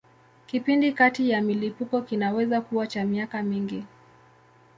Kipindi kati ya milipuko kinaweza kuwa cha miaka mingi.